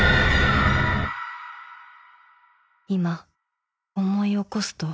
［今思い起こすと］